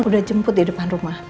udah jemput di depan rumah